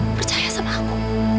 percaya sama aku